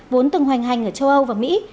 vốn từng hoành hành ở châu âu và mỹ